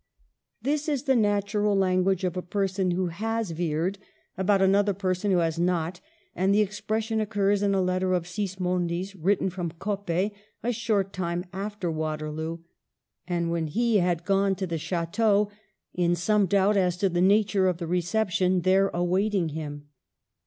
This is the nat ural language of a person who has veered about Digitized by VjOOQIC ENGLAND AGAIN 195 of another person who has not, and the expres sion occurs in a letter of Sismondi's.written from Coppet a short time after Waterloo, and when he had gone to the chateau in some doubt as to the nature of the reception there awaiting him.